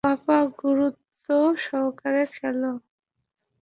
পাপা গুরুত্ব সহকারে খেলো।